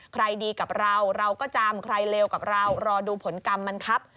ใครดีกับเราเราก็จำใครเลวกับเรารอดูผลกรรมมันครับ